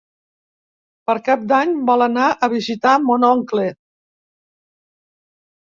Per Cap d'Any vol anar a visitar mon oncle.